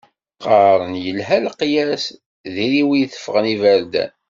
Qqaren yelha leqyas, diri wi i tefṛen iberdan.